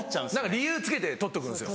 理由つけて取っとくんですよ。